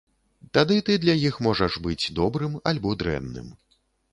Тады ты для іх можаш быць добрым альбо дрэнным.